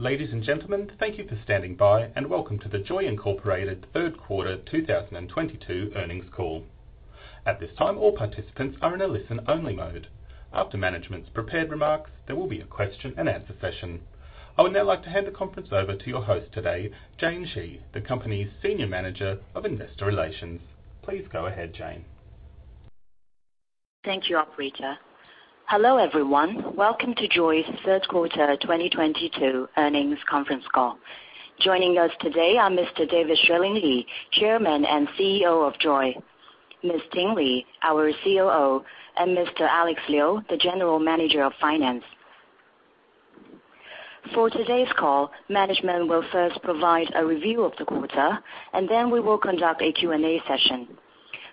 Ladies and gentlemen, thank you for standing by. Welcome to the JOYY Incorporated third quarter 2022 earnings call. At this time, all participants are in a listen-only mode. After management's prepared remarks, there will be a question-and-answer session. I would now like to hand the conference over to your host today, Jane Xie, the company's Senior Manager of Investor Relations. Please go ahead, Jane. Thank you, operator. Hello, everyone. Welcome to JOYY's third quarter 2022 earnings conference call. Joining us today are Mr. David Xueling Li, Chairman and CEO of JOYY, Ms. Ting Li, our COO, and Mr. Alex Liu, the General Manager of Finance. For today's call, management will first provide a review of the quarter, and then we will conduct a Q&A session.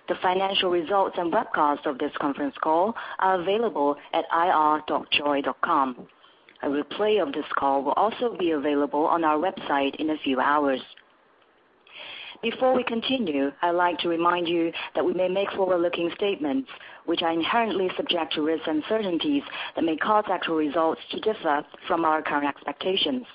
The financial results and webcast of this conference call are available at ir.joyy.com. A replay of this call will also be available on our website in a few hours. Before we continue, I'd like to remind you that we may make forward-looking statements, which are inherently subject to risks and uncertainties that may cause actual results to differ from our current expectations.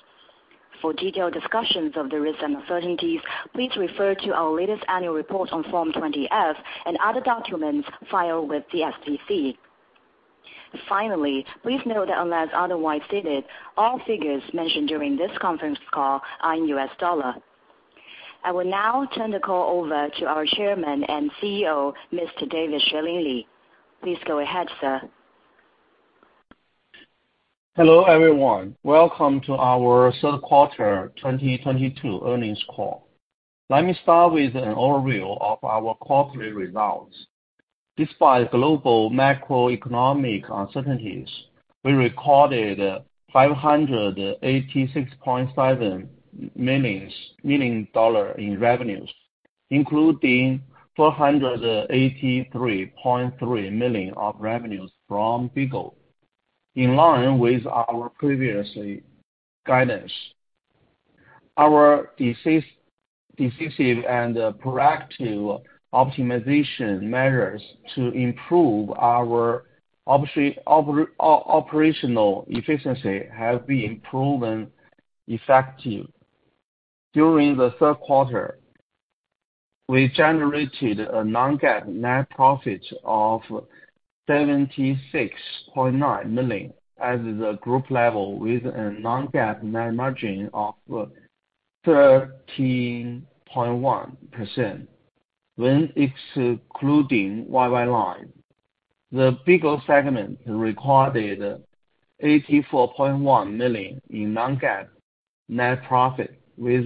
For detailed discussions of the risks and uncertainties, please refer to our latest annual report on Form 20-F and other documents filed with the SEC. Finally, please note that unless otherwise stated, all figures mentioned during this conference call are in U.S. dollar. I will now turn the call over to our Chairman and CEO, Mr. David Xueling Li. Please go ahead, sir. Hello, everyone. Welcome to our third quarter 2022 earnings call. Let me start with an overview of our quarterly results. Despite global macroeconomic uncertainties, we recorded $586.7 million in revenues, including $483.3 million of revenues from BIGO, in line with our previously guidance. Our decisive and proactive optimization measures to improve our operational efficiency have been proven effective. During the third quarter, we generated a non-GAAP net profit of $76.9 million as the group level with a non-GAAP net margin of 13.1% when excluding YY Live. The BIGO segment recorded $84.1 million in non-GAAP net profit with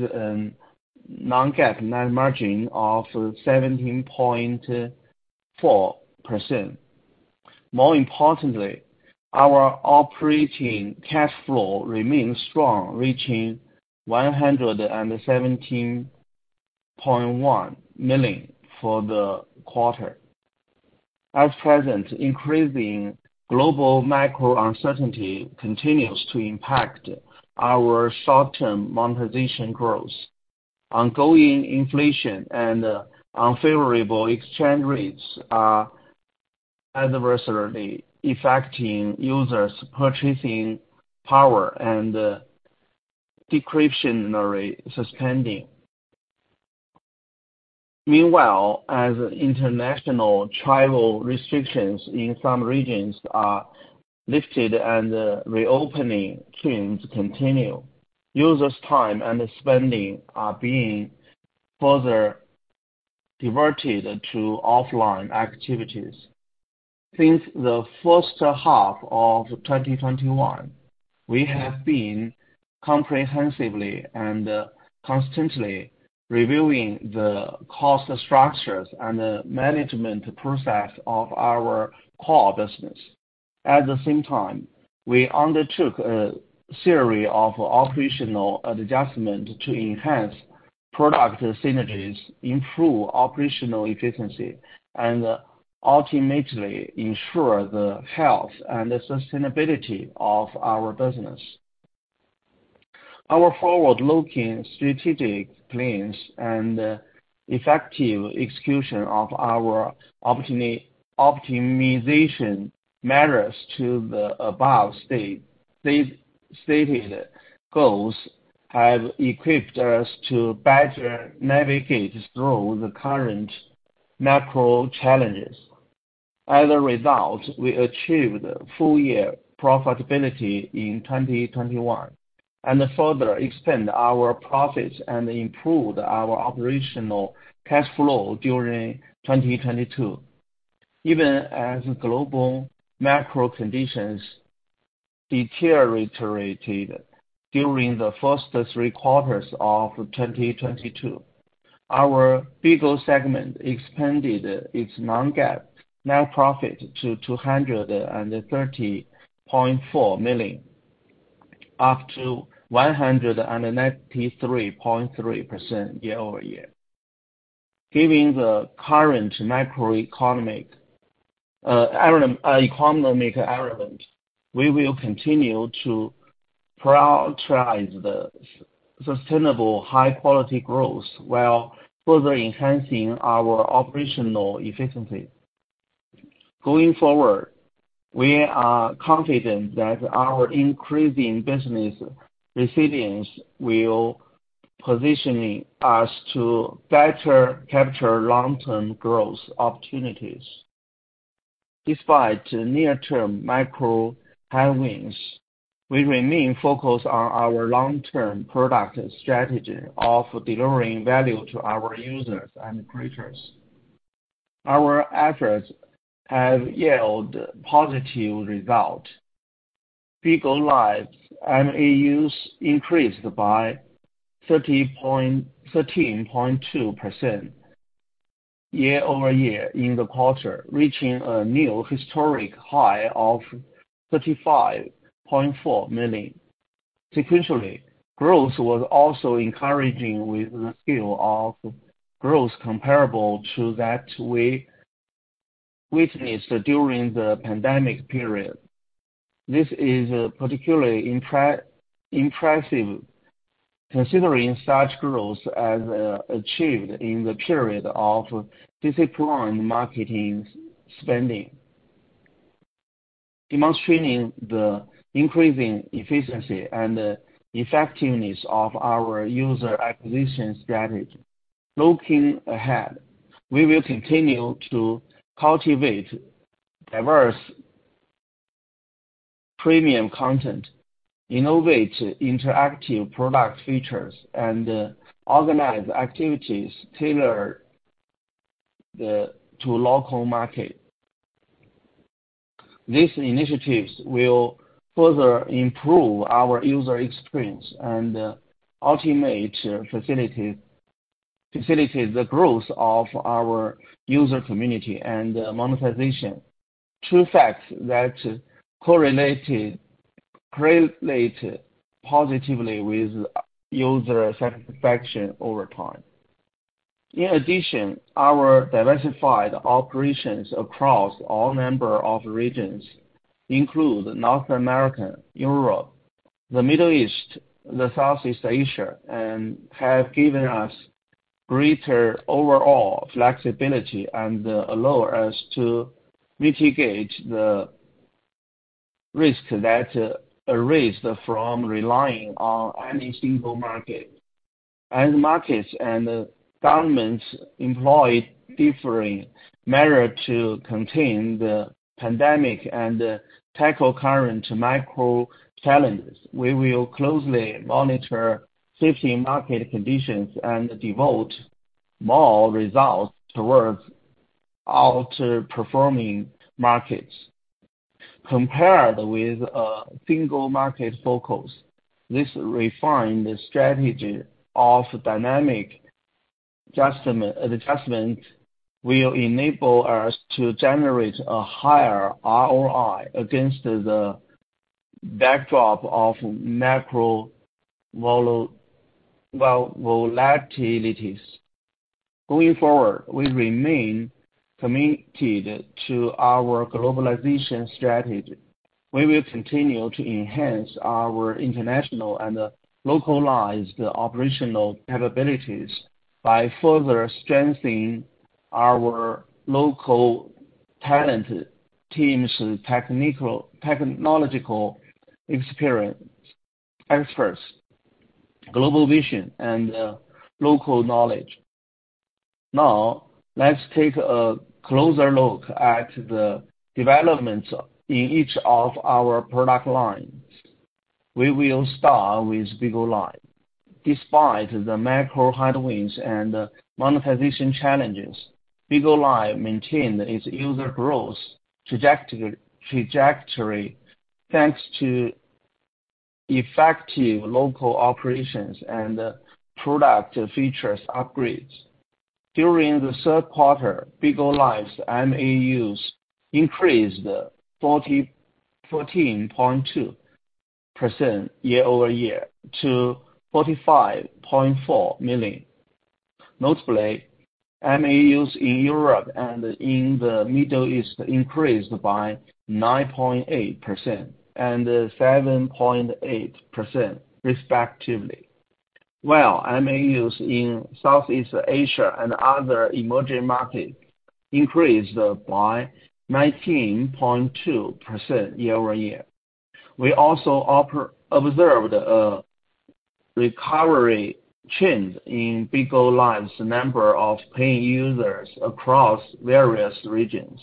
non-GAAP net margin of 17.4%. More importantly, our operating cash flow remains strong, reaching $117.1 million for the quarter. As present, increasing global macro uncertainty continues to impact our short-term monetization growth. Ongoing inflation and unfavorable exchange rates are adversely affecting users' purchasing power and discretionary spending. Meanwhile, as international travel restrictions in some regions are lifted and reopening trends continue, users' time and spending are being further diverted to offline activities. Since the first half of 2021, we have been comprehensively and constantly reviewing the cost structures and management process of our core business. At the same time, we undertook a series of operational adjustment to enhance product synergies, improve operational efficiency, and ultimately ensure the health and the sustainability of our business. Our forward-looking strategic plans and effective execution of our optimization measures to the above stated goals have equipped us to better navigate through the current macro challenges. As a result, we achieved full-year profitability in 2021, and further expand our profits and improved our operational cash flow during 2022. Even as global macro conditions deteriorated during the first three quarters of 2022, our BIGO segment expanded its non-GAAP net profit to $230.4 million, up to 193.3% year-over-year. Given the current macroeconomic environment, we will continue to prioritize sustainable high-quality growth while further enhancing our operational efficiency. Going forward, we are confident that our increasing business resilience will position us to better capture long-term growth opportunities. Despite near-term macro headwinds, we remain focused on our long-term product strategy of delivering value to our users and creators. Our efforts have yielded positive results. Bigo Live MAUs increased by 13.2% year-over-year in the quarter, reaching a new historic high of 35.4 million. Sequentially, growth was also encouraging with the scale of growth comparable to that we witnessed during the pandemic period. This is particularly impressive considering such growth as achieved in the period of disciplined marketing spending, demonstrating the increasing efficiency and effectiveness of our user acquisition strategy. Looking ahead, we will continue to cultivate diverse premium content, innovate interactive product features, and organize activities tailored to local market. These initiatives will further improve our user experience and ultimate facilitate the growth of our user community and monetization. Two facts that correlate positively with user satisfaction over time. Our diversified operations across all number of regions include North America, Europe, the Middle East, the Southeast Asia, and have given us greater overall flexibility and allow us to mitigate the risk that arise from relying on any single market. As markets and governments employ differing measures to contain the pandemic and tackle current macro challenges, we will closely monitor shifting market conditions and devote more resources towards underperforming markets. Compared with a single market focus, this refined strategy of dynamic adjustment will enable us to generate a higher ROI against the backdrop of macro volatilities. Going forward, we remain committed to our globalization strategy. We will continue to enhance our international and localized operational capabilities by further strengthening our local talent teams, technological experience experts, global vision, and local knowledge. Now, let's take a closer look at the developments in each of our product lines. We will start with Bigo Live. Despite the macro headwinds and monetization challenges, Bigo Live maintained its user growth trajectory thanks to effective local operations and product features upgrades. During the third quarter, Bigo Live's MAUs increased 14.2% year-over-year to 45.4 million. Notably, MAUs in Europe and in the Middle East increased by 9.8% and 7.8%, respectively. While MAUs in Southeast Asia and other emerging markets increased by 19.2% year-over-year. We also observed a recovery trend in Bigo Live's number of paying users across various regions.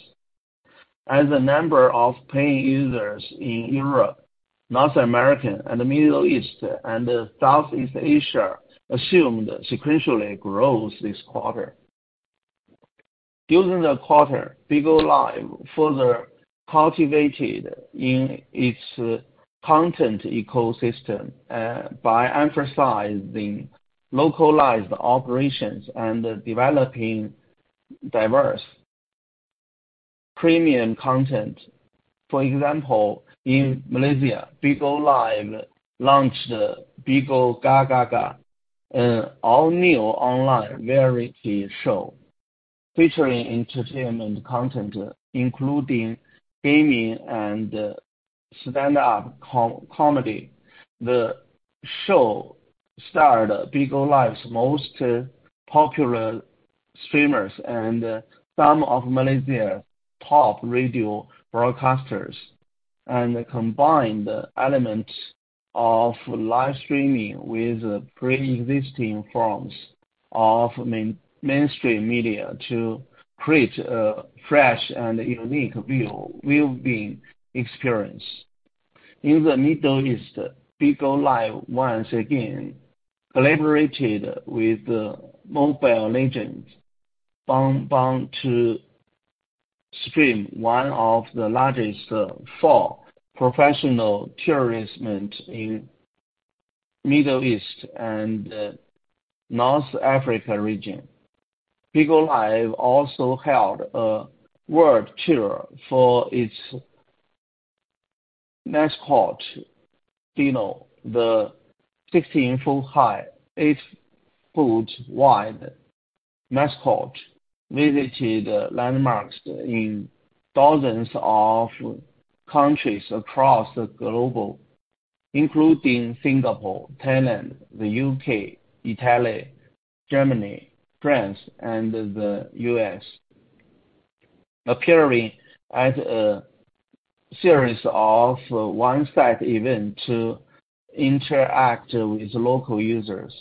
As the number of paying users in Europe, North America, and the Middle East, and Southeast Asia assumed sequentially growth this quarter. During the quarter, Bigo Live further cultivated in its content ecosystem by emphasizing localized operations and developing diverse premium content. For example, in Malaysia, Bigo Live launched BIGO Gagaga, an all-new online variety show featuring entertainment content, including gaming and stand-up comedy. The show starred Bigo Live's most popular streamers and some of Malaysia's top radio broadcasters, and combined elements of live streaming with preexisting forms of mainstream media to create a fresh and unique viewing experience. In the Middle East, Bigo Live once again collaborated with Mobile Legends: Bang Bang to stream one of the largest fall professional tournaments in Middle East and North Africa region. Bigo Live also held a world tour for its mascot, Dino. The 16-foot-high, 8-foot-wide mascot visited landmarks in dozens of countries across the global, including Singapore, Thailand, the U.K., Italy, Germany, France, and the U.S., appearing at a series of on-site events to interact with local users.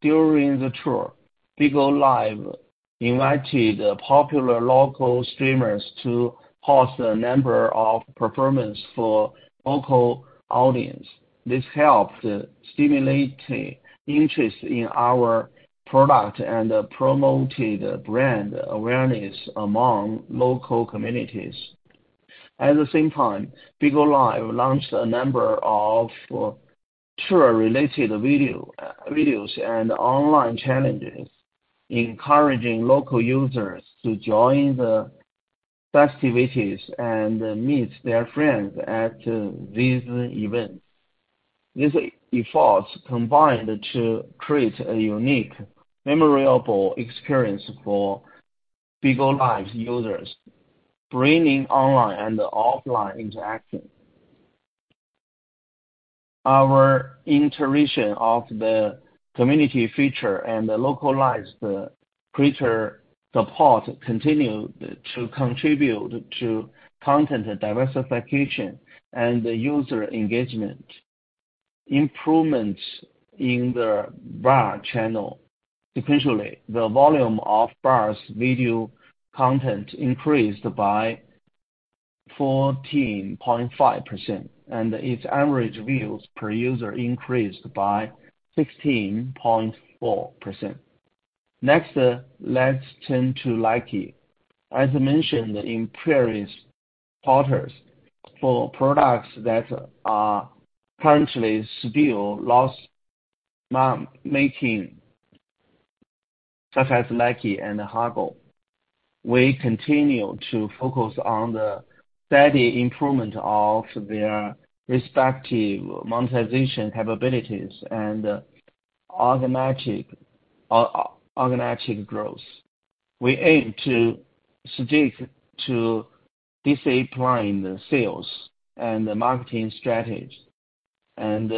During the tour, Bigo Live invited popular local streamers to host a number of performances for local audience. This helped stimulate interest in our product and promoted brand awareness among local communities. At the same time, Bigo Live launched a number of tour-related videos and online challenges, encouraging local users to join the festivities and meet their friends at these events. These efforts combined to create a unique, memorable experience for Bigo Live's users, bringing online and offline interaction. Our iteration of the community feature and the localized creator support continued to contribute to content diversification and user engagement. Improvements in the BAR channel. Sequentially, the volume of BAR video content increased by 14.5%, and its average views per user increased by 16.4%. Let's turn to Likee. As mentioned in previous quarters, for products that are currently still loss-making, such as Likee and Hago, we continue to focus on the steady improvement of their respective monetization capabilities and or organic growth. We aim to stick to disciplined sales and marketing strategies and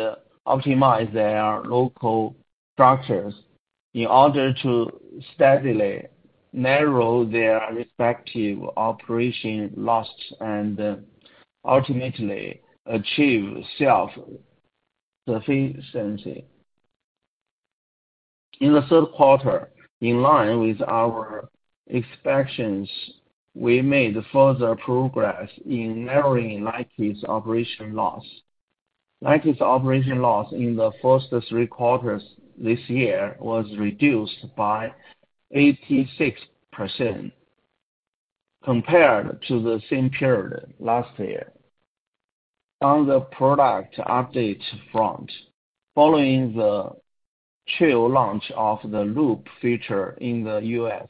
optimize their local structures in order to steadily narrow their respective operation loss and ultimately achieve self-sufficiency. In the third quarter, in line with our expectations, we made further progress in narrowing Likee's operation loss. Likee's operation loss in the first three quarters this year was reduced by 86% compared to the same period last year. On the product update front, following the trial launch of the Loop feature in the U.S.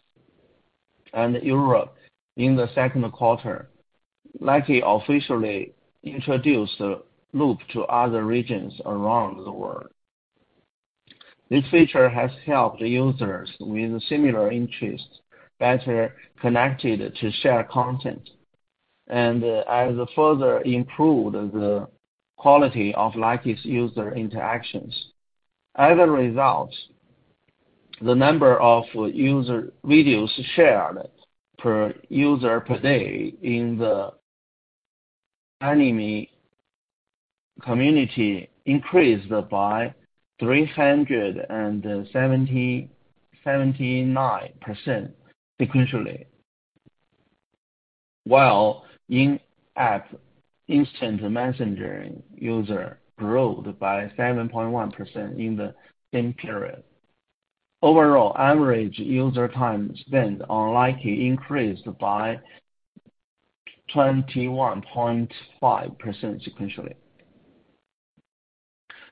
and Europe in the second quarter, Likee officially introduced Loop to other regions around the world. This feature has helped users with similar interests better connected to share content and has further improved the quality of Likee's user interactions. As a result, the number of user videos shared per user per day in the anime community increased by 379% sequentially, while in-app instant messenger user growth by 7.1% in the same period. Overall, average user time spent on Likee increased by 21.5% sequentially.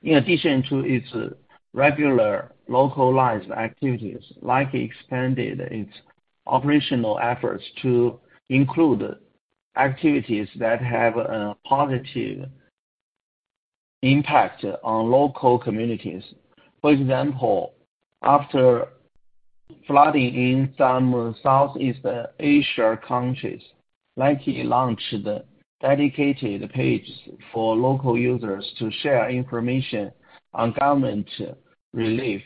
In addition to its regular localized activities, Likee expanded its operational efforts to include activities that have a positive impact on local communities. For example, after flooding in some Southeast Asia countries, Likee launched the dedicated page for local users to share information on government relief,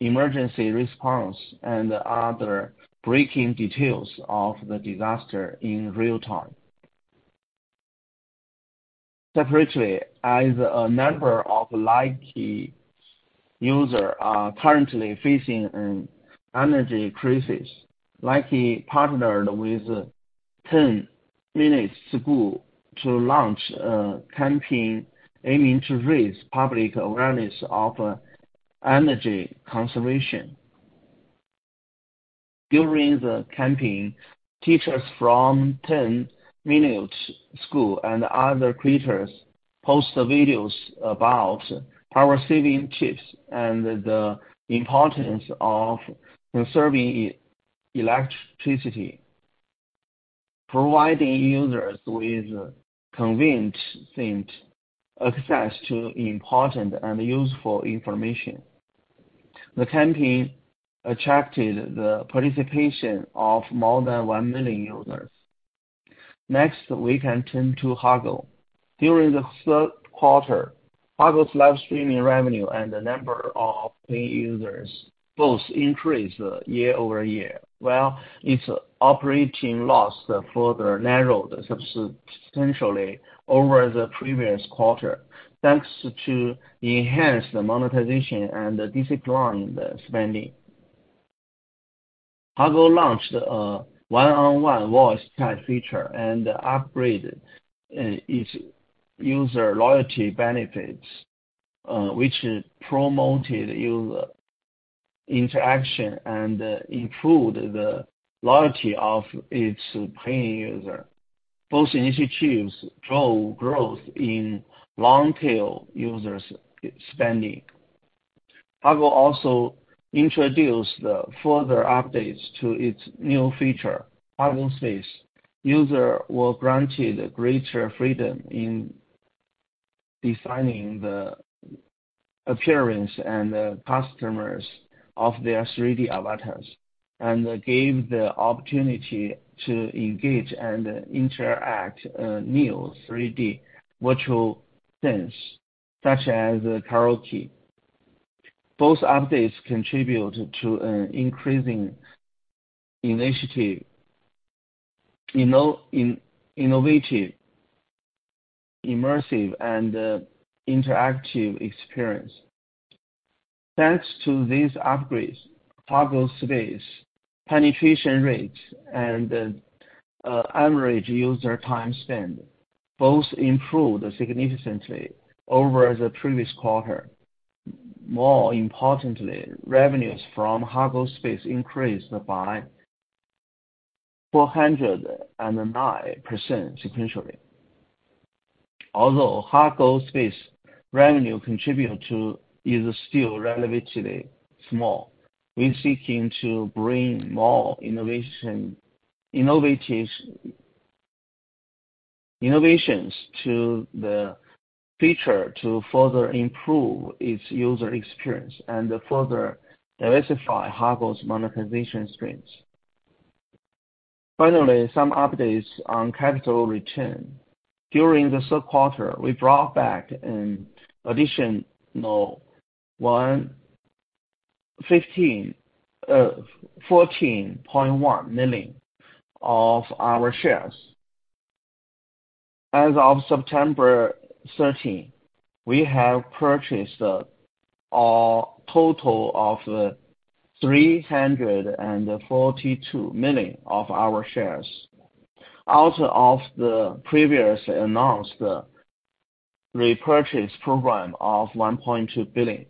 emergency response, and other breaking details of the disaster in real time. Separately, as a number of Likee users are currently facing an energy crisis, Likee partnered with 10 Minute School to launch a campaign aiming to raise public awareness of energy conservation. During the campaign, teachers from 10 Minute School and other creators post the videos about power saving tips and the importance of conserving electricity, providing users with convenient access to important and useful information. The campaign attracted the participation of more than 1 million users. We can turn to Hago. During the third quarter, Hago's live streaming revenue and the number of paying users both increased year-over-year. Its operating loss further narrowed substantially over the previous quarter, thanks to enhanced monetization and disciplined spending. Hago launched a one-on-one voice chat feature and upgraded its user loyalty benefits, which promoted user interaction and improved the loyalty of its paying users. Both initiatives drove growth in long-tail users spending. Hago also introduced the further updates to its new feature, Hago Space. User were granted greater freedom in defining the appearance and the costumes of their 3D avatars and gave the opportunity to engage and interact, new 3D virtual things such as karaoke. Both updates contribute to an increasing initiative, innovative, immersive, and interactive experience. Thanks to these upgrades, Hago Space penetration rates and average user time spent both improved significantly over the previous quarter. More importantly, revenues from Hago Space increased by 409% sequentially. Although Hago Space revenue contribute to is still relatively small, we seeking to bring more innovation, innovative, innovations to the feature to further improve its user experience and further diversify Hago's monetization streams. Some updates on capital return. During the third quarter, we bought back an additional $14.1 million of our shares. As of September 30, we have purchased a total of $342 million of our shares. Out of the previous announced repurchase program of $1.2 billion,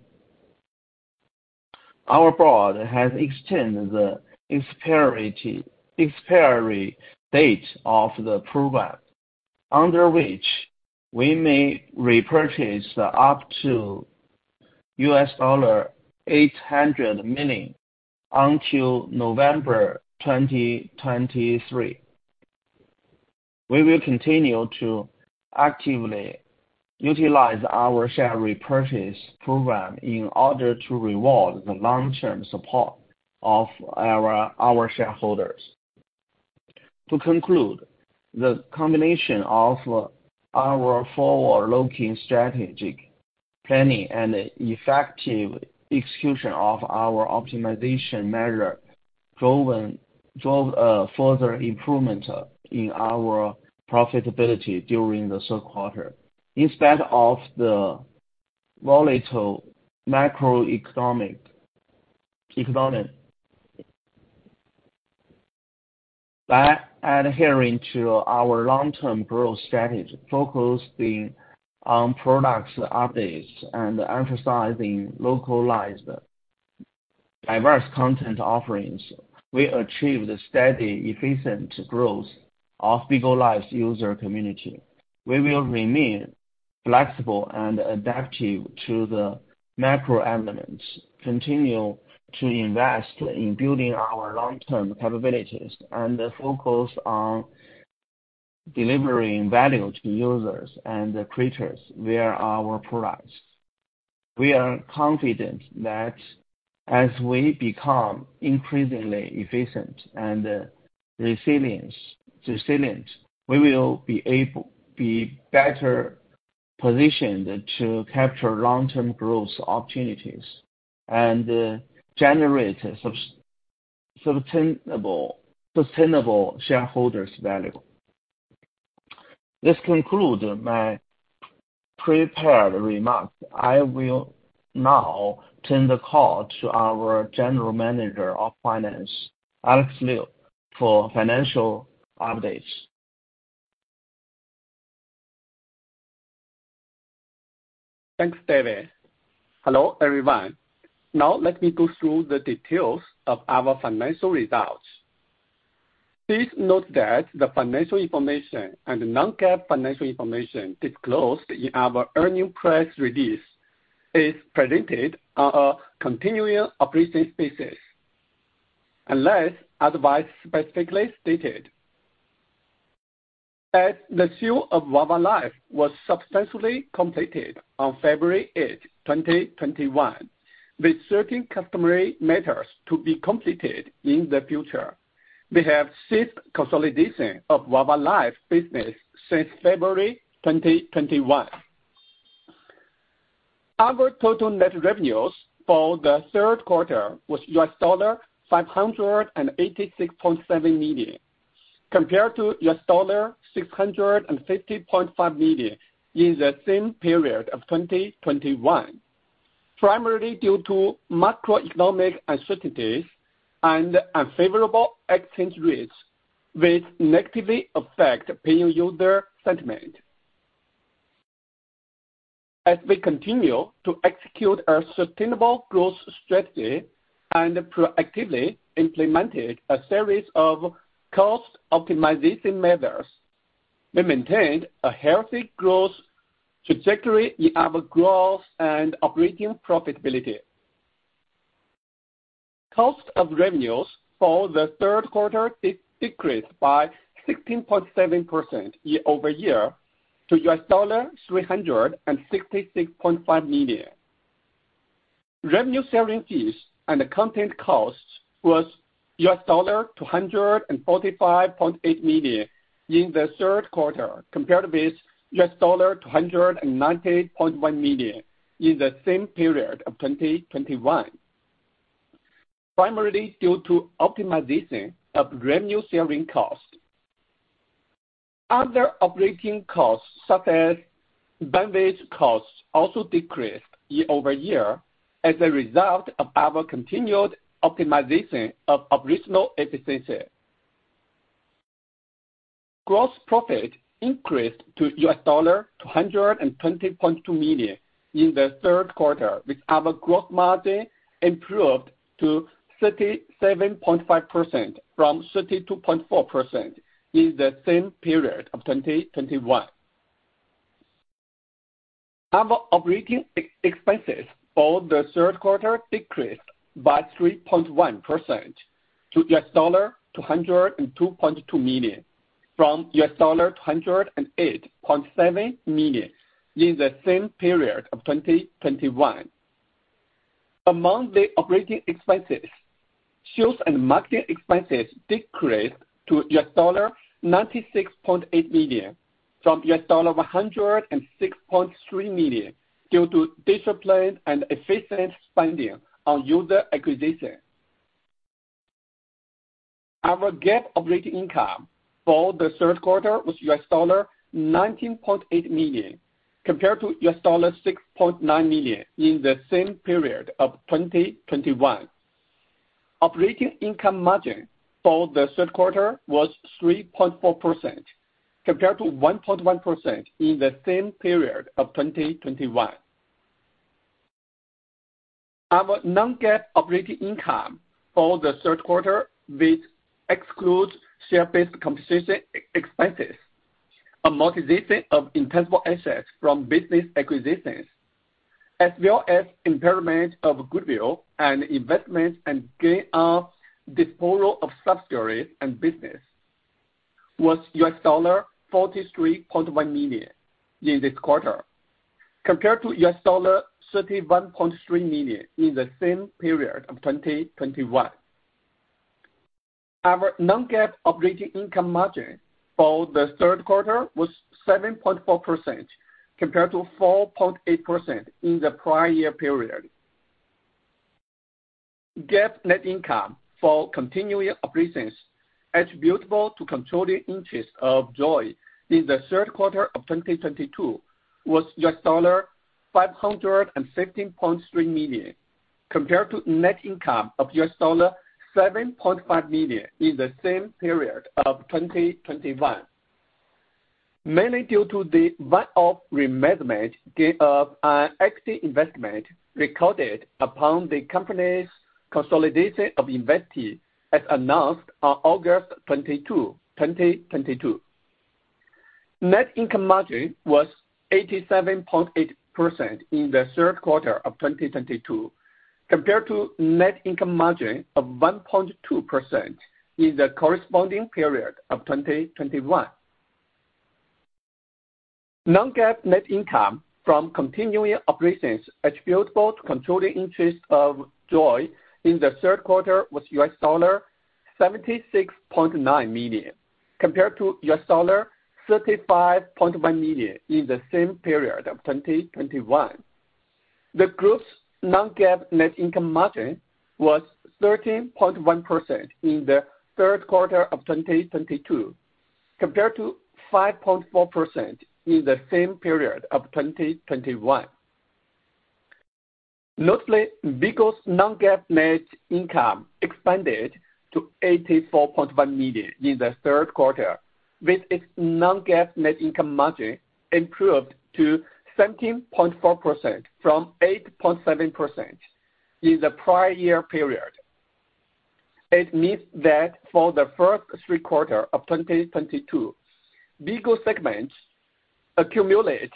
our Board has extended the expiry date of the program, under which we may repurchase up to $800 million until November 2023. We will continue to actively utilize our share repurchase program in order to reward the long-term support of our shareholders. To conclude, the combination of our forward-looking strategic planning and effective execution of our optimization measure drove further improvement in our profitability during the third quarter. In spite of the volatile macroeconomic environment. By adhering to our long-term growth strategy, focusing on products updates, and emphasizing localized diverse content offerings, we achieved a steady, efficient growth of Bigo Live's user community. We will remain flexible and adaptive to the macro elements, continue to invest in building our long-term capabilities, and focus on delivering value to users and the creators via our products. We are confident that as we become increasingly efficient and resilient, we will be better positioned to capture long-term growth opportunities and generate sustainable shareholders value. This concludes my prepared remarks. I will now turn the call to our General Manager of Finance, Alex Liu, for financial updates. Thanks, David. Hello, everyone. Let me go through the details of our financial results. Please note that the financial information and non-GAAP financial information disclosed in our earnings press release is presented on a continuing operating basis, unless otherwise specifically stated. As the sale of YY Live was substantially completed on February 8th, 2021, with certain customary matters to be completed in the future, we have ceased consolidation of YY Live business since February 2021. Our total net revenues for the third quarter was $586.7 million, compared to $650.5 million in the same period of 2021, primarily due to macroeconomic uncertainties and unfavorable exchange rates, which negatively affect paying user sentiment. As we continue to execute our sustainable growth strategy and proactively implemented a series of cost optimization measures, we maintained a healthy growth trajectory in our growth and operating profitability. Cost of revenues for the third quarter decreased by 16.7% year-over-year to $366.5 million. Revenue sharing fees and content costs was $245.8 million in the third quarter, compared with $298.1 million in the same period of 2021. Primarily due to optimization of revenue-sharing costs. Other operating costs, such as bandwidth costs, also decreased year-over-year as a result of our continued optimization of operational efficiency. Gross profit increased to $220.2 million in the third quarter, with our growth margin improved to 37.5% from 32.4% in the same period of 2021. Our operating expenses for the third quarter decreased by 3.1% to $202.2 million from $208.7 million in the same period of 2021. Among the operating expenses, sales and marketing expenses decreased to $96.8 million from $106.3 million, due to disciplined and efficient spending on user acquisition. Our GAAP operating income for the third quarter was $19.8 million, compared to $6.9 million in the same period of 2021. Operating income margin for the third quarter was 3.4%, compared to 1.1% in the same period of 2021. Our non-GAAP operating income for the third quarter, which excludes share-based compensation expenses, amortization of intangible assets from business acquisitions, as well as impairment of goodwill and investments, and gain on disposal of subsidiaries and business, was $43.1 million in this quarter, compared to $31.3 million in the same period of 2021. Our non-GAAP operating income margin for the third quarter was 7.4%, compared to 4.8% in the prior year period. GAAP net income for continuing operations attributable to controlling interest of JOYY in the third quarter of 2022 was $516.3 million, compared to net income of $7.5 million in the same period of 2021. Mainly due to the one-off remeasurement gain of an equity investment recorded upon the company's consolidation of investee as announced on August 22, 2022. Net income margin was 87.8% in the third quarter of 2022 compared to net income margin of 1.2% in the corresponding period of 2021. Non-GAAP net income from continuing operations attributable to controlling interest of JOYY in the third quarter was $76.9 million, compared to $35.1 million in the same period of 2021. The group's non-GAAP net income margin was 13.1% in the third quarter of 2022, compared to 5.4% in the same period of 2021. Notably, BIGO's non-GAAP net income expanded to $84.1 million in the third quarter, with its non-GAAP net income margin improved to 17.4% from 8.7% in the prior year period. It means that for the first three quarter of 2022, BIGO segment's accumulated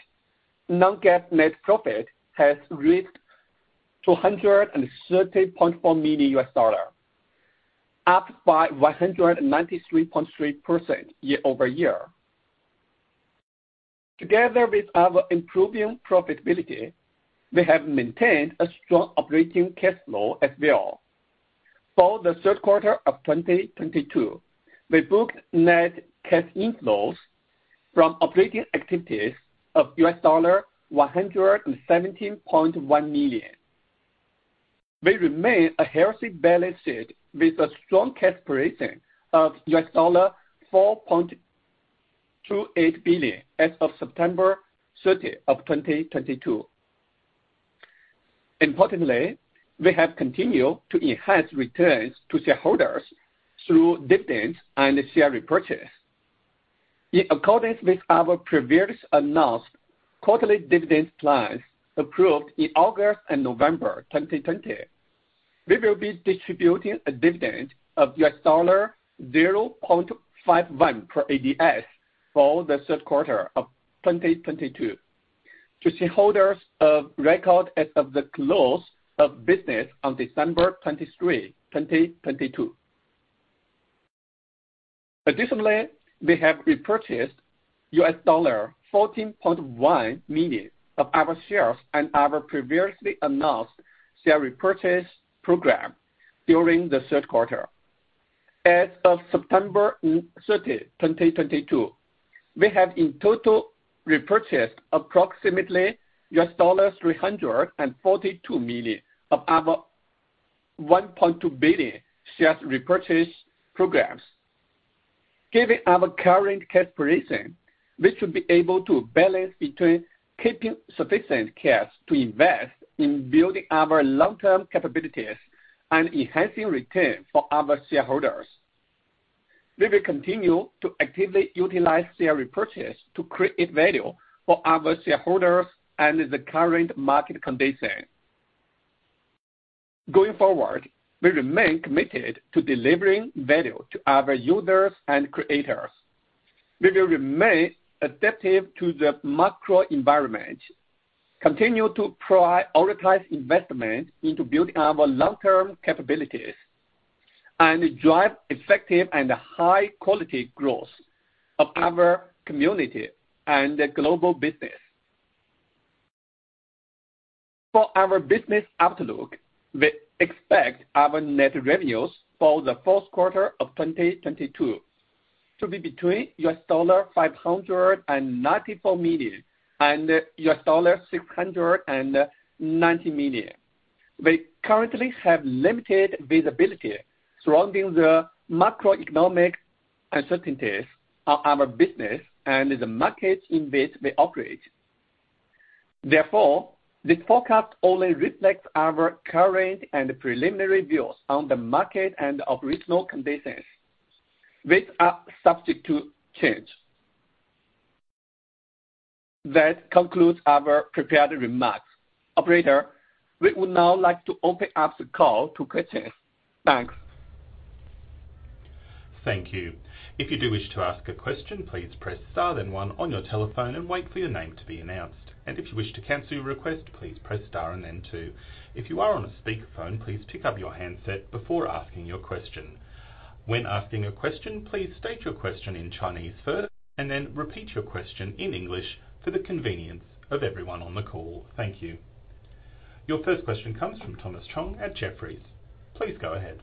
non-GAAP net profit has reached $230.4 million, up by 193.3% year-over-year. Together with our improving profitability, we have maintained a strong operating cash flow as well. For the third quarter of 2022, we booked net cash inflows from operating activities of $117.1 million. We remain a healthy balance sheet with a strong cash position of $4.28 billion as of September 30, 2022. Importantly, we have continued to enhance returns to shareholders through dividends and share repurchase. In accordance with our previous announced quarterly dividend plans approved in August and November 2020, we will be distributing a dividend of $0.51 per ADS for the third quarter of 2022 to shareholders of record as of the close of business on December 23, 2022. Additionally, we have repurchased $14.1 million of our shares on our previously announced share repurchase program during the third quarter. As of September 30, 2022, we have in total repurchased approximately $342 million of our $1.2 billion share repurchase programs. Given our current cash position, we should be able to balance between keeping sufficient cash to invest in building our long-term capabilities and enhancing return for our shareholders. We will continue to actively utilize share repurchase to create value for our shareholders under the current market condition. Going forward, we remain committed to delivering value to our users and creators. We will remain adaptive to the macro environment, continue to prioritize investment into building our long-term capabilities, and drive effective and high-quality growth of our community and the global business. For our business outlook, we expect our net revenues for the fourth quarter of 2022 to be between $594 million and $690 million. We currently have limited visibility surrounding the macroeconomic uncertainties of our business and the markets in which we operate. This forecast only reflects our current and preliminary views on the market and operational conditions, which are subject to change. That concludes our prepared remarks. Operator, we would now like to open up the call to questions. Thanks. Thank you. If you do wish to ask a question, please press star then one on your telephone and wait for your name to be announced. If you wish to cancel your request, please press star and then two. If you are on a speakerphone, please pick up your handset before asking your question. When asking a question, please state your question in Chinese first, and then repeat your question in English for the convenience of everyone on the call. Thank you. Your first question comes from Thomas Chong at Jefferies. Please go ahead.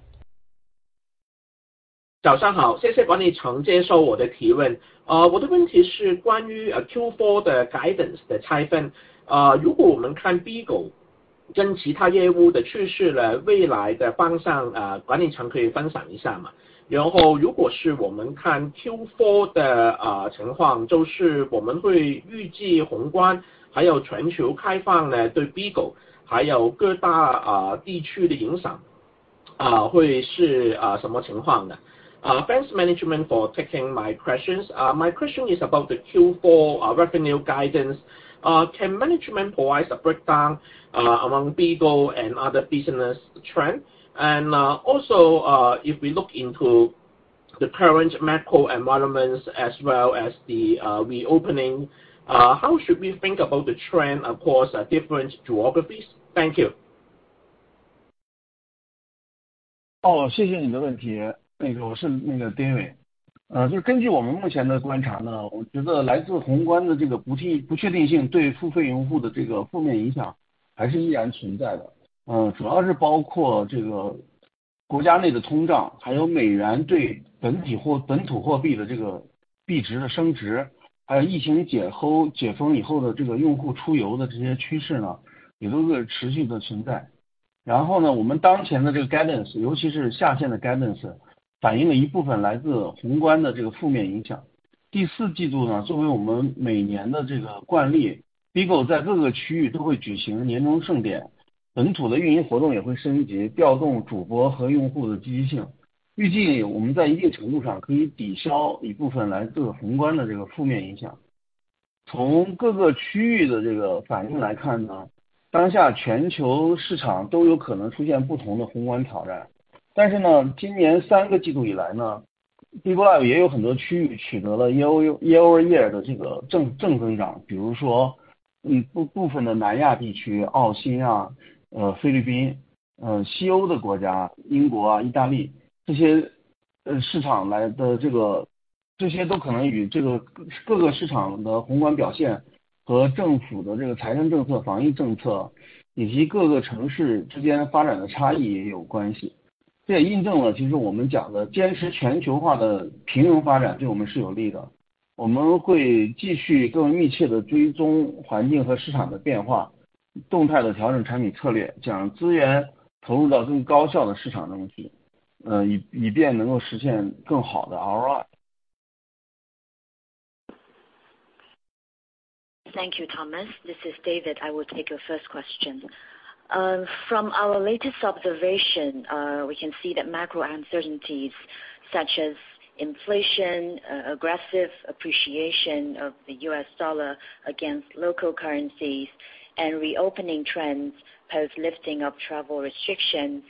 Thanks, management, for taking my questions. My question is about the Q4 revenue guidance. Can management provide a breakdown among BIGO and other business trends? Also, the current macro environments as well as the reopening. How should we think about the trend across different geographies? Thank you. 谢谢你的问题。我是 David， 就根据我们目前的观 察， 我觉得来自宏观的不确定性对付费用户的负面影响还是依然存在 的， 主要是包括国家内的通 胀， 还有美元对本土货币的币值的升 值， 还有疫情解封以后的用户出游的这些趋势也都是持续的存在。我们当前的 guidance， 尤其是下限的 guidance， 反映了一部分来自宏观的负面影响。第四季 度， 作为我们每年的惯 例， BIGO 在各个区域都会举行年终盛 典， 本土的运营活动也会升 级， 调动主播和用户的积极 性， 预计我们在一定程度上可以抵消一部分来自宏观的负面影响。从各个区域的反应来 看， 当下全球市场都有可能出现不同的宏观挑战。今年三个季度以 来， Bigo Live 也有很多区域取得了 year-over-year 的正增长。比如 说， 部分的南亚地区、澳新、菲律 宾， 西欧的国 家， 英国、意大利这些市场来的这些都可能与各个市场的宏观表现和政府的财政政策、防疫政 策， 以及各个城市之间发展的差异也有关系。这也印证了其实我们讲的坚持全球化的平庸发展对我们是有利的。我们会继续更密切地追踪环境和市场的变 化， 动态地调整产品策 略， 将资源投入到更高效的市场中 去， 以便能够实现更好的 ROI。Thank you, Thomas. This is David. I will take your first question. From our latest observation, we can see that macro uncertainties such as inflation, aggressive appreciation of the U.S. dollar against local currencies, and reopening trends post lifting of travel restrictions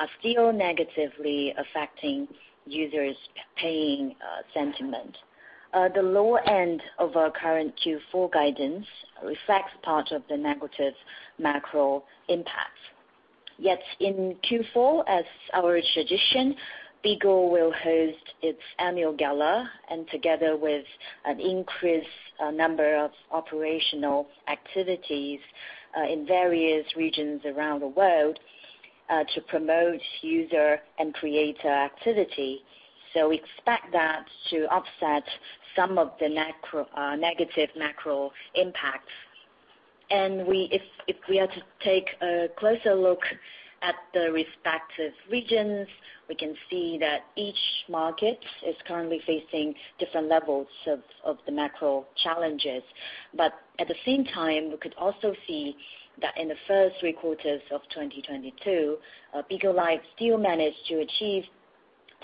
are still negatively affecting users' paying sentiment. The lower end of our current Q4 guidance reflects part of the negative macro impact. Yet in Q4, as our tradition, BIGO will host its annual gala and together with an increased number of operational activities in various regions around the world to promote user and creator activity, so expect that to offset some of the negative macro impacts. If we are to take a closer look at the respective regions, we can see that each market is currently facing different levels of the macro challenges. At the same time, we could also see that in the first three quarters of 2022, Bigo Live still managed to achieve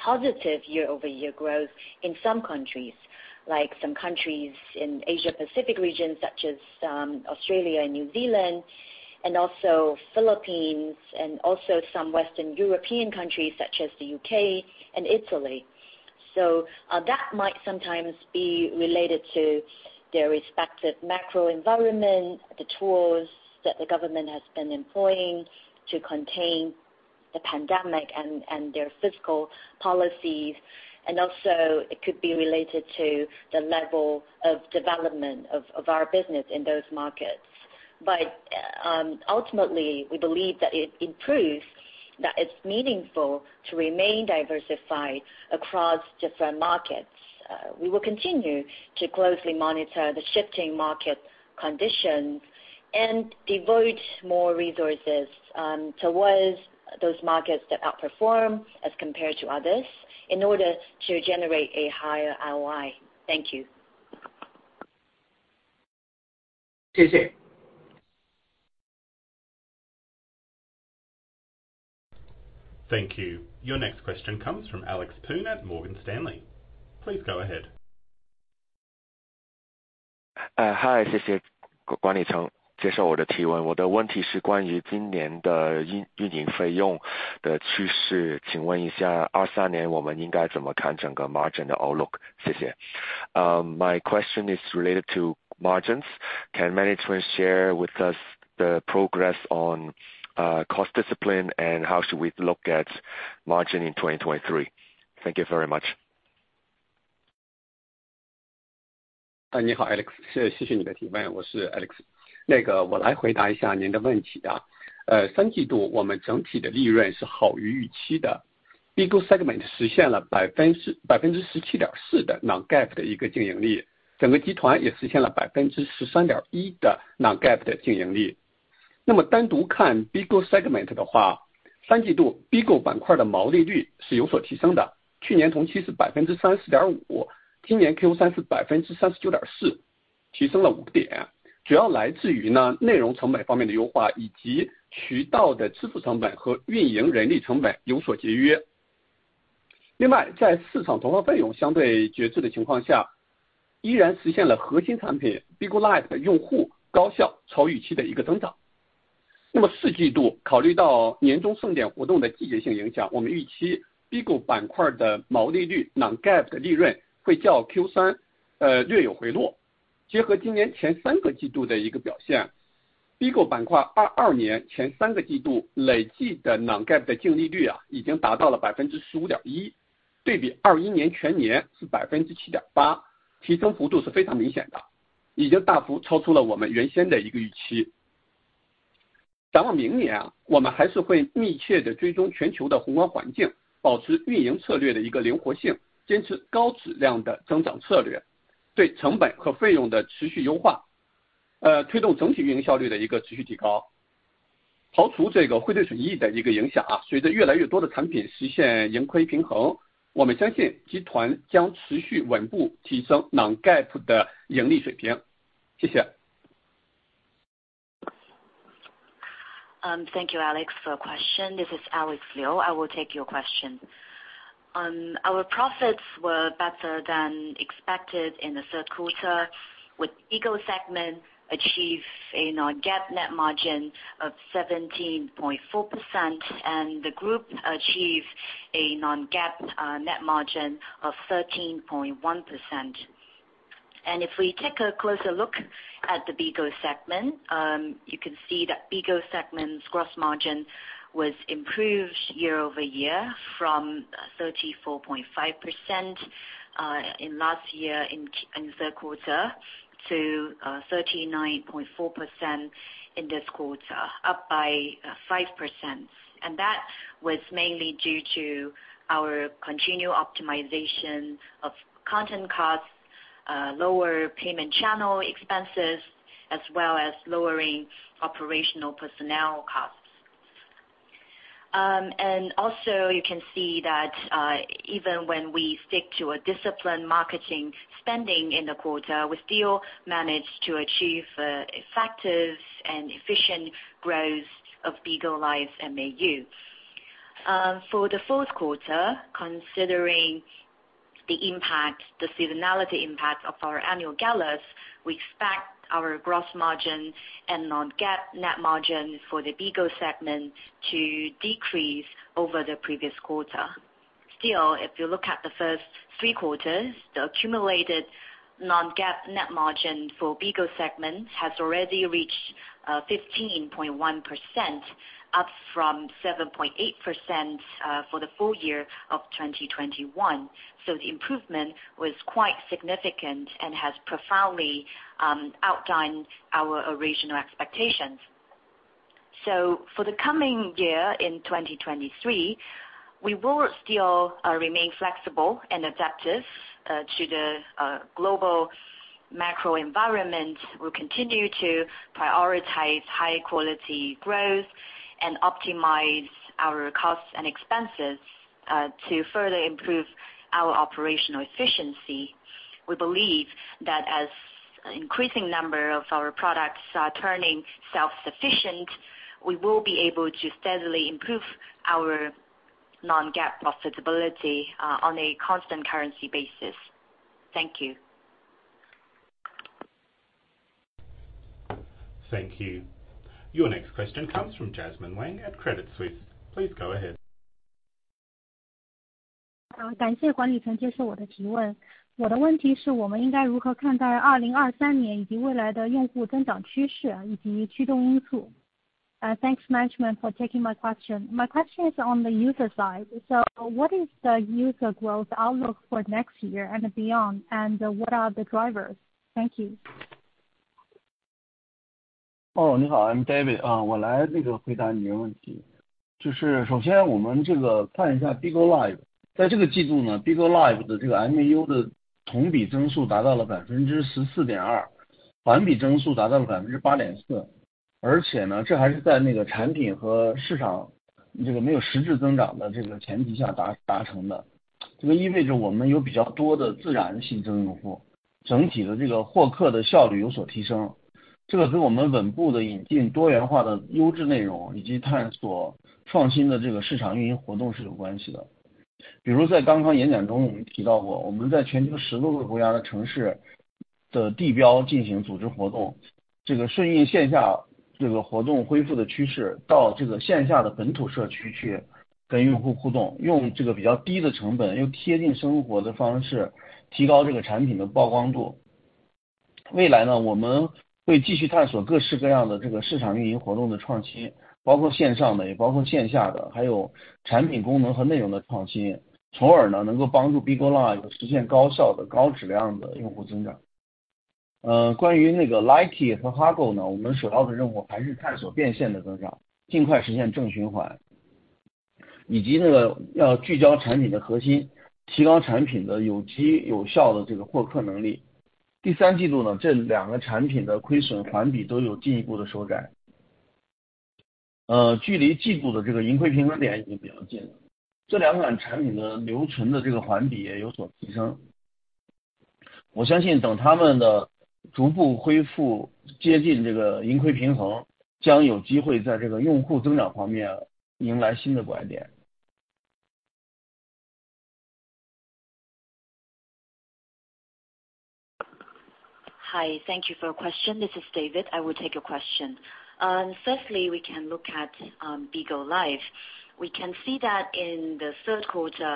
positive year-over-year growth in some countries, like some countries in Asia Pacific region such as Australia and New Zealand, and also Philippines and also some Western European countries such as the U.K. and Italy. That might sometimes be related to their respective macro environment, the tools that the government has been employing to contain the pandemic, and their fiscal policies. It could be related to the level of development of our business in those markets. Ultimately, we believe that it improves that it's meaningful to remain diversified across different markets. We will continue to closely monitor the shifting market conditions and devote more resources towards those markets that outperform as compared to others in order to generate a higher ROI. Thank you. 谢谢。Thank you. Your next question comes from Alex Poon at Morgan Stanley. Please go ahead. Hi, 谢谢。管理层接受我的提问。我的问题是关于今年的运营费用的趋势，请问一下2023年我们应该怎么看整个 margin 的 outlook？谢谢。My question is related to margins. Can management share with us the progress on cost discipline and how should we look at margin in 2023? Thank you very much. 你好 Alex。谢 谢， 谢谢你的提问。我是 Alex。那个我来回答一下你的问题啊。呃， 三季度我们整体的利润是好于预期的。BIGO segment 实现了百分 之， 百分之十七点四的 non-GAAP 的一个盈 利， 整个集团也实现了百分之十三点一的 non-GAAP 的盈利。那么单独看 BIGO segment 的 话， 三季度 BIGO 板块的毛利率是有所提升 的， 去年同期是百分之三十点 五， 今年 Q3 是百分之三十九点 四， 提升了五点。主要来自于呢内容成本方面的优 化， 以及渠道的支付成本和运营人力成本有所节约。另 外， 在市场投放费用相对节制的情况 下， 依然实现了核心产品 Bigo Live 用户高效超预期的一个增长。那么四季度考虑到年终送点活动的季节性影 响， 我们预期 B 股板块的毛利率 non-GAAP 的利润会较 Q3 呃， 略有回落。结合今年前三个季度的一个表 现， B 股板块二二年前三个季度累计的 non-GAAP 的净利率 啊， 已经达到了百分之十五点 一， 对比二一年全年是百分之七点 八， 提升幅度是非常明显 的， 已经大幅超出了我们原先的一个预期。展望明年 啊， 我们还是会密切地追踪全球的宏观环 境， 保持运营策略的一个灵活 性， 坚持高质量的增长策略，对成本和费用的持续优 化， 呃， 推动整体运营效率的一个持续提高。刨除这个汇兑损益的一个影响 啊， 随着越来越多的产品实现盈亏平 衡， 我们相信集团将持续稳步提升 non-GAAP 的盈利水平。谢谢。Thank you, Alex, for question. This is Alex Liu. I will take your question. Our profits were better than expected in the third quarter, with BIGO segment achieve a non-GAAP net margin of 17.4%,d and the group achieve a non-GAAP net margin of 13.1%. If we take a closer look at the BIGO segment, you can see that BIGO segment gross margin was improved year-over-year from 34.5% in last year in third quarter to 39.4% in this quarter, up by 5%. That was mainly due to our continued optimization of content costs, lower payment channel expenses, as well as lowering operational personnel costs. Also, you can see that even when we stick to a disciplined marketing spending in the quarter, we still managed to achieve effective and efficient growth of Bigo Live MAU. For the fourth quarter, considering the seasonality impact of our annual galas, we expect our gross margin and non-GAAP net margin for the BIGO segment to decrease over the previous quarter. Still, if you look at the first three quarters, the accumulated non-GAAP net margin for BIGO segment has already reached 15.1%, up from 7.8% for the full year of 2021. The improvement was quite significant and has profoundly outdone our original expectations. For the coming year in 2023, we will still remain flexible and adaptive to the global macro environment. We'll continue to prioritize high-quality growth and optimize our costs and expenses to further improve our operational efficiency. We believe that as increasing number of our products are turning self-sufficient, we will be able to steadily improve our non-GAAP profitability on a constant currency basis. Thank you. Thank you. Your next question comes from Jasmine Wang at Credit Suisse. Please go ahead. 感谢管理层接受我的提问。我的问题是我们应该如何看待2023年以及未来的用户增长趋势以及驱动因素。Thanks, management fo,r taking my question. My question is on the user side. What is the user growth outlook for next year and beyond? What are the drivers? Thank you. 哦， 你好 ，I'm David。我来这个回答你的问题。就是首先我们这个看一下 Bigo Live， 在这个季度呢 ，Bigo Live 的这个 MAU 的同比增速达到了百分之十四点 二， 环比增速达到了百分之八点四。而且 呢， 这还是在那个产品和市场这个没有实质增长的这个前提下 达， 达成的。这个意味着我们有比较多的自然新增用 户， 整体的这个获客的效率有所提升，这个跟我们稳步地引进多元化的优质内 容， 以及探索创新的这个市场运营活动是有关系的。比如在刚刚演讲中我们提到 过， 我们在全球十多个国家的城市的地标进行组织活 动， 这个顺应线下这个活动恢复的趋 势， 到这个线下的本土社区去跟用户互 动， 用这个比较低的成 本， 又贴近生活的方 式， 提高这个产品的曝光度。未来 呢， 我们会继续探索各式各样的这个市场运营活动的创 新， 包括线上 的， 也包括线下 的， 还有产品功能和内容的创 新， 从而 呢， 能够帮助 Bigo Live 实现高效的高质量的用户增长。呃， 关于那个 Likee 和 Hago 呢， 我们首要的任务还是探索变现的增 长， 尽快实现正循 环， 以及那个要聚焦产品的核 心， 提高产品的有机有效的这个获客能力。第三季度 呢， 这两个产品的亏损环比都有进一步的收窄。呃， 距离季度的这个盈亏平衡点已经比较近 了， 这两款产品的留存的这个环比也有所提升。我相信等它们的逐步恢复接近这个盈亏平 衡， 将有机会在这个用户增长方面迎来新的拐点。Hi. Thank you for your question. This is David. I will take your question. Firstly, we can look at Bigo Live. We can see that in the third quarter,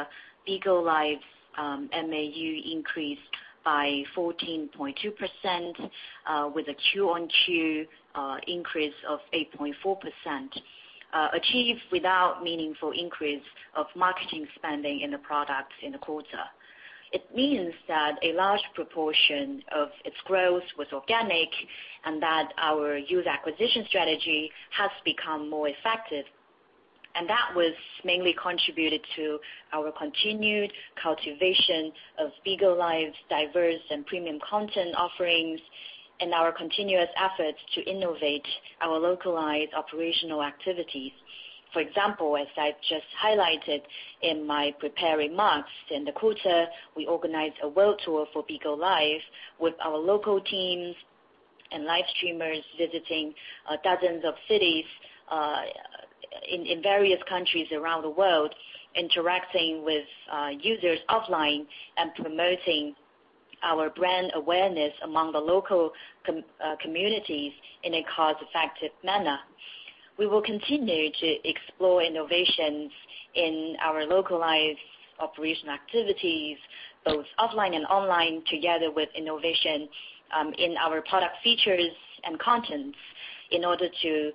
Bigo Live's MAU increased by 14.2%, with a QoQ increase of 8.4%, achieved without meaningful increase of marketing spending in the product in the quarter. It means that a large proportion of its growth was organic and that our user acquisition strategy has become more effective. That was mainly contributed to our continued cultivation of Bigo Live's diverse and premium content offerings and our continuous efforts to innovate our localized operational activities. For example, as I've just highlighted in my prepared remarks, in the quarter, we organized a world tour for Bigo Live with our local teams and live streamers visiting dozens of cities in various countries around the world, interacting with users offline and promoting our brand awareness among the local communities in a cost-effective manner. We will continue to explore innovations in our localized operational activities, both offline and online, together with innovation in our product features and contents in order to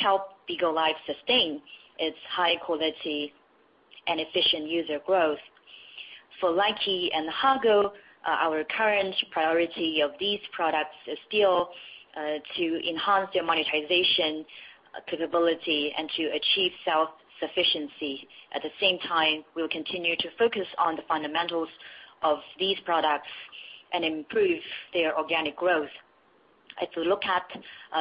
help Bigo Live sustain its high quality and efficient user growth. For Likee and Hago, our current priority of these products is still to enhance their monetization capability and to achieve self-sufficiency. At the same time, we'll continue to focus on the fundamentals of these products and improve their organic growth. If you look at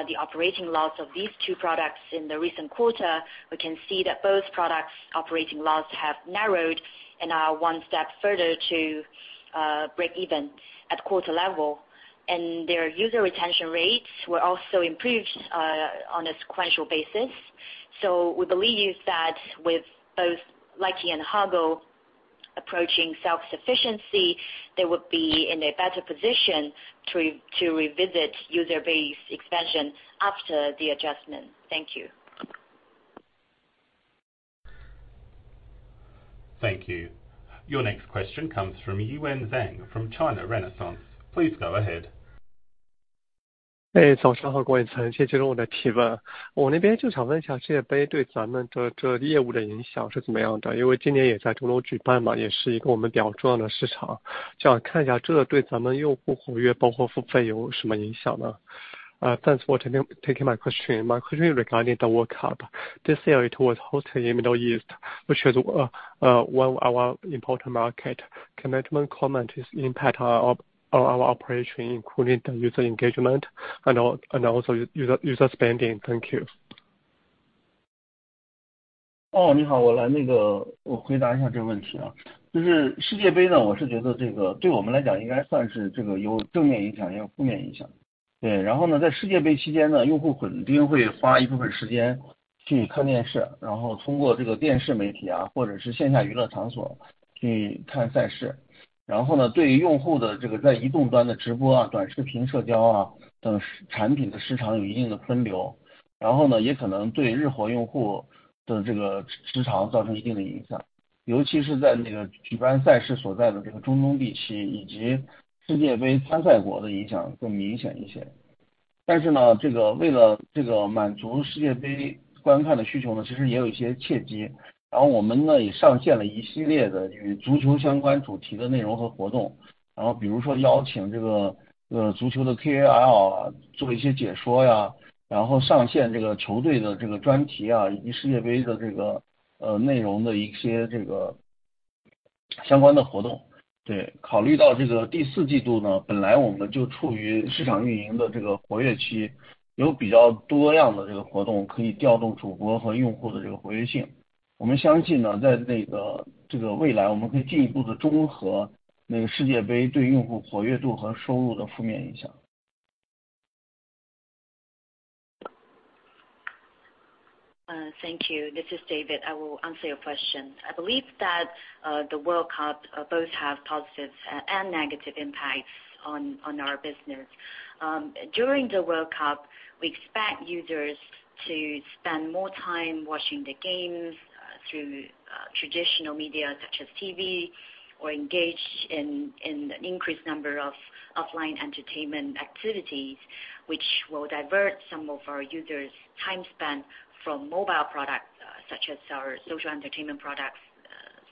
the operating loss of these two products in the recent quarter, we can see that both products' operating loss have narrowed and are one step further to break even at quarter level, and their user retention rates were also improved on a sequential basis. We believe that with both Likee and Hago approaching self-sufficiency, they would be in a better position to revisit user base expansion after the adjustment. Thank you. Thank you. Your next question comes from Yiwen Zhang from China Renaissance. Please go ahead. Thanks for taking my question. My question regarding the World Cup. This year, it was hosted in Middle East, which is one our important market. Can management comment its impact on our operation, including the user engagement and also user spending? Thank you. Thank you. This is David. I will answer your question. I believe that the World Cup both have positive and negative impacts on our business. During the World Cup, we expect users to spend more time watching the games through traditional media such as TV or engage in increased number of offline entertainment activities, which will divert some of our users' time spent from mobile products, such as our social entertainment products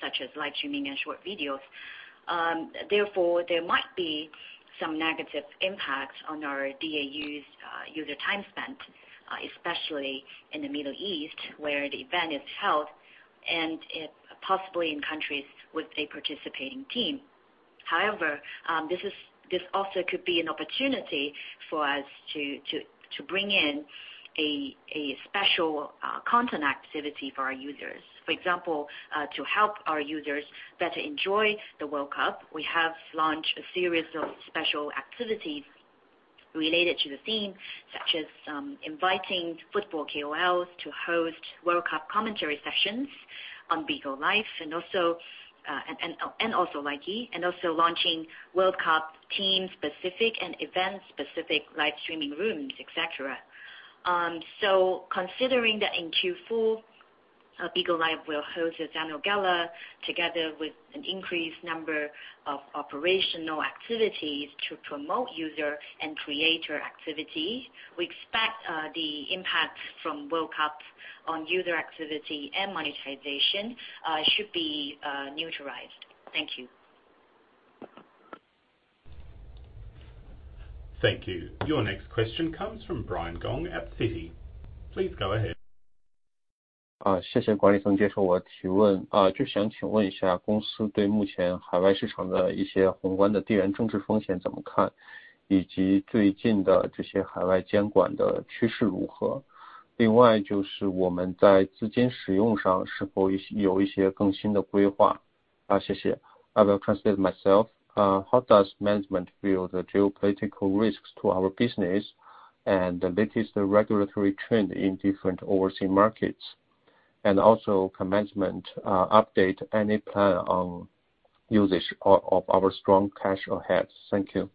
such as live streaming and short videos. Therefore, there might be some negative impacts on our DAUs, user time spent, especially in the Middle East, where the event is held, and possibly in countries with a participating team. This also could be an opportunity for us to bring in a special content activity for our users. For example, to help our users better enjoy the World Cup, we have launched a series of special activities related to the theme, such as inviting football KOLs to host World Cup commentary sessions on Bigo Live, and also launching World Cup team-specific and event-specific live streaming rooms, et cetera. Considering that in Q4, Bigo Live will host its annual gala together with an increased number of operational activities to promote user and creator activity, we expect the impact from World Cup on user activity and monetization should be neutralized. Thank you. Thank you. Your next question comes from Brian Gong at Citi. Please go ahead. I will translate myself. How does management view the geopolitical risks to our business and the latest regulatory trend in different overseas markets? Also, can management update any plan on usage of our strong cash on hand? Thank you.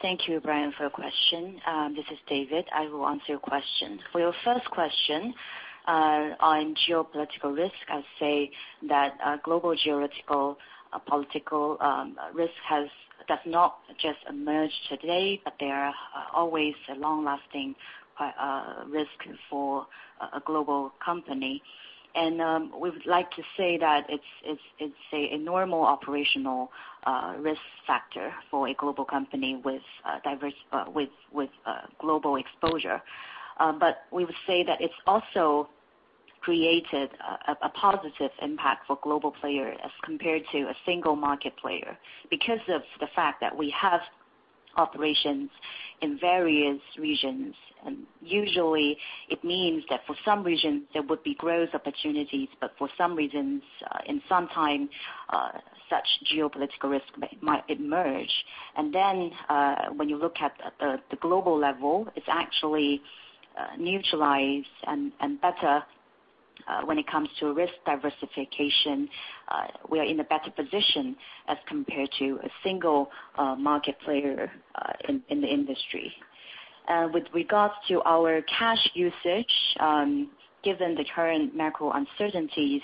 Thank you, Brian, for your question. This is David. I will answer your question. For your first question, on geopolitical risk, I'll say that global geopolitical risk does not just emerge today, but they are always a long-lasting risk for a global company. We would like to say that it's a normal operational risk factor for a global company with global exposure. We would say that it's also created a positive impact for global player as compared to a single market player because of the fact that we have operations in various regions. Usually it means that for some regions there would be growth opportunities, but for some reasons, in some time, such geopolitical risk might emerge. When you look at the global level, it's actually neutralized and better when it comes to risk diversification, we are in a better position as compared to a single market player in the industry. With regards to our cash usage, given the current macro uncertainties,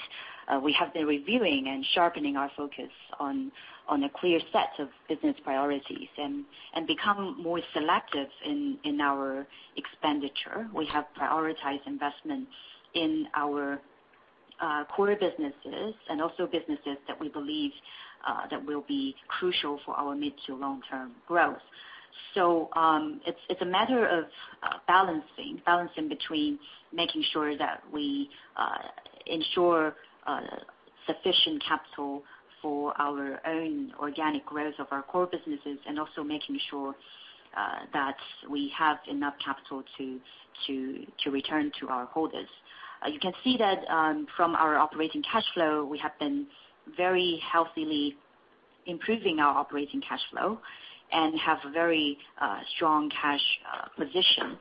we have been reviewing and sharpening our focus on a clear set of business priorities and become more selective in our expenditure. We have prioritized investments in our core businesses and also businesses that we believe that will be crucial for our mid to long-term growth. It's a matter of balancing between making sure that we ensure sufficient capital for our own organic growth of our core businesses, and also making sure that we have enough capital to return to our holders. You can see that from our operating cash flow, we have been very healthily improving our operating cash flow and have a very strong cash position.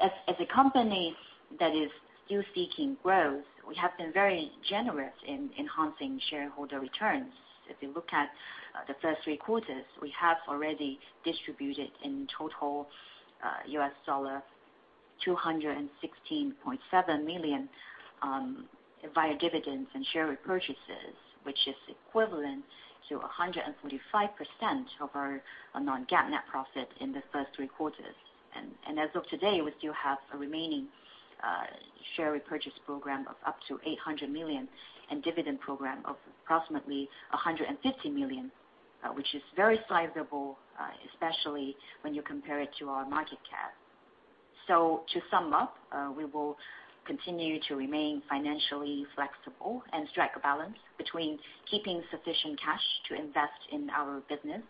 As a company that is still seeking growth, we have been very generous in enhancing shareholder returns. If you look at the first three quarters, we have already distributed in total $216.7 million via dividends and share repurchases, which is equivalent to 145% of our non-GAAP net profit in the first three quarters. As of today, we still have a remaining share repurchase program of up to $800 million and dividend program of approximately $150 million, which is very sizable, especially when you compare it to our market cap. To sum up, we will continue to remain financially flexible and strike a balance between keeping sufficient cash to invest in our business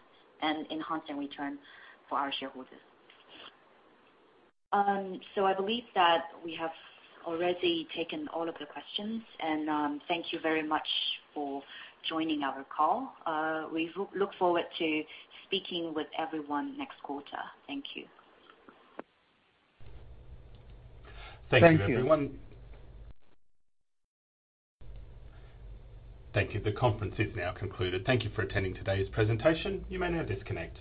and enhancing return for our shareholders. I believe that we have already taken all of the questions. Thank you very much for joining our call. We look forward to speaking with everyone next quarter. Thank you. Thank you. Thank you, everyone. Thank you. The conference is now concluded. Thank you for attending today's presentation. You may now disconnect.